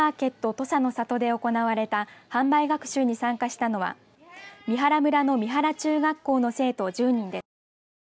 とさのさとで行われた販売学習に参加したのは三原村の三原中学校の生徒１０人です。